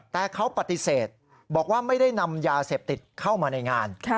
แต่เขาปฏิเสธบอกว่าไม่ได้นำยาเสพติดเข้ามาในงาน